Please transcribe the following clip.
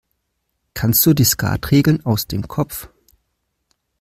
Kannst du die Skatregeln aus dem Kopf?